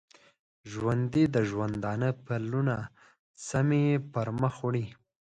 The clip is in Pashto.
ژوندي د ژوندانه پلونه سمی پرمخ وړي